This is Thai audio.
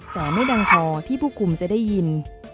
แต่ไม่ดังพอที่ผู้คุมจะได้ยิน